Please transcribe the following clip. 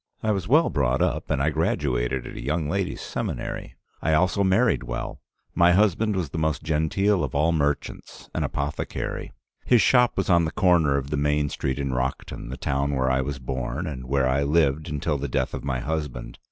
I was well brought up, and I graduated at a young ladies' seminary. I also married well. My husband was that most genteel of all merchants, an apothecary. His shop was on the corner of the main street in Rockton, the town where I was born, and where I lived until the death of my husband.